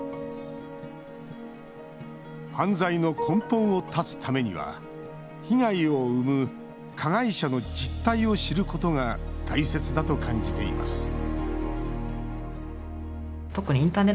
犯罪の根本を絶つためには被害を生む加害者の実態を知ることが大切だと感じています